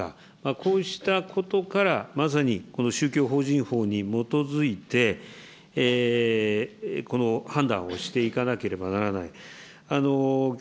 こうしたことからまさに、この宗教法人法に基づいて、判断をしていかなければならない。